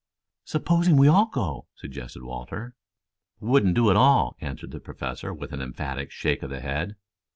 "Supposing we all go!" suggested Walter. "Wouldn't do at all," answered the Professor, with an emphatic shake of the head.